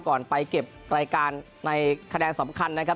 ไปเก็บรายการในคะแนนสำคัญนะครับ